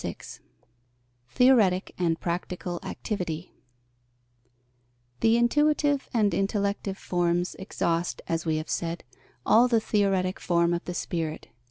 VI THEORETIC AND PRACTICAL ACTIVITY The intuitive and intellective forms exhaust, as we have said, all the theoretic form of the spirit.